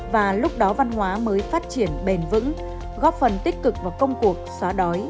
và lúc đó văn hóa mới phát triển bền vững góp phần tích cực vào công cuộc xóa đói